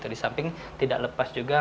disamping tidak lepas juga